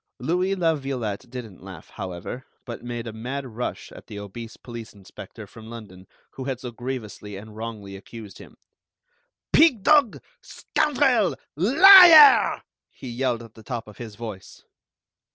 Louis La Violette didn't laugh, however, but made a mad rush at the obese police inspector from London, who had so grievously and wrongly accused him. "Pig dog, scoundrel, liar!" he yelled at the top of his voice.